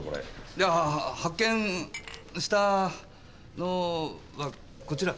いや発見したのはこちら。